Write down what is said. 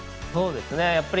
そうですね。